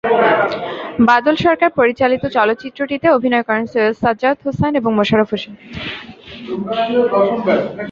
বাদল সরকার পরিচালিত চলচ্চিত্রটিতে অভিনয় করেন সৈয়দ সাজ্জাদ হোসায়েন এবং মোশাররফ হোসেন।